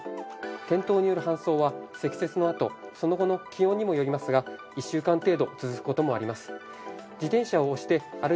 転倒による搬送は積雪のあとその後の気温にもよりますが１週間程度続く事もあります。